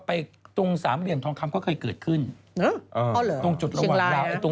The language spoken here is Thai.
ก็ไปตรงสามเหลี่ยมทองคำก็เคยเกิดขึ้นอ๋อเหรอตรงจุดระหว่างดาว